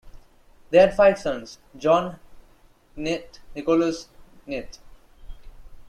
They had five sons, John, Knt., Nicholas, Knt.